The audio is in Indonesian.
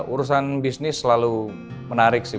urusan bisnis selalu menarik sih